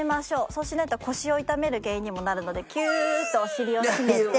そうしないと腰を痛める原因にもなるのでキューッとお尻を締めて。